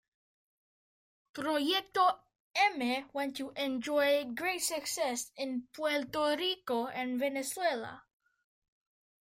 Proyecto M went to enjoy great success in Puerto Rico and Venezuela.